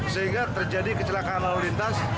sehingga terjadi kecelakaan lalu lintas